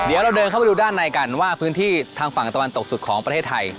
เดี๋ยวเราเดินเข้าไปดูด้านในกันว่าพื้นที่ทางฝั่งตะวันตกสุดของประเทศไทย